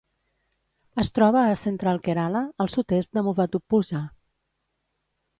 Es troba a Central Kerala, al sud-est de Muvattupuzha.